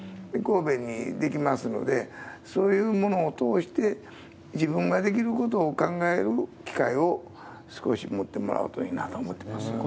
神戸に出来ますので、そういうものを通して、自分ができることを考える、少し持ってもらえるといいなと思っています。